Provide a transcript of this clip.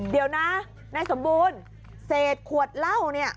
เดี๋ยวนะนายสมบูรณ์เศษขวดเหล้าเนี่ย